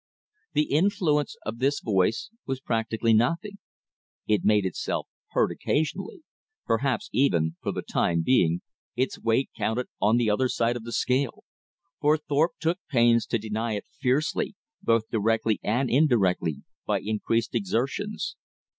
The influence of this voice was practically nothing. It made itself heard occasionally. Perhaps even, for the time being, its weight counted on the other side of the scale; for Thorpe took pains to deny it fiercely, both directly and indirectly by increased exertions.